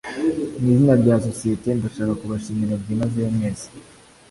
Mwizina rya sosiyete ndashaka kubashimira byimazeyo mwese